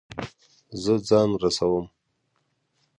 زه ځان رسوم